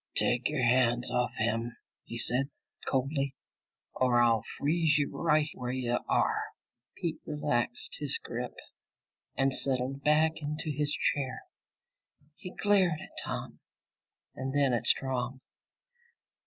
"Take your hands off him," he said coldly, "or I'll freeze you right where you are!" Pete relaxed his grip and settled back into his chair. He glared at Tom and then at Strong.